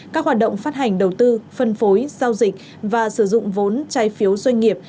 các hoạt động phát hành đầu tư phân phối giao dịch và sử dụng vốn trái phiếu doanh nghiệp